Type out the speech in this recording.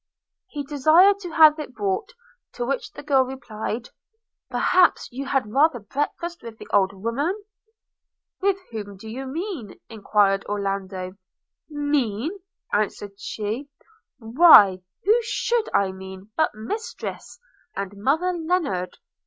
He desired to have it brought. To which the girl replied, 'Perhaps you had rather breakfast with the old women?' – 'Whom do you mean?' enquired Orlando. 'Mean!' answered she; 'why, who should I mean, but mistress, and mother Lennard?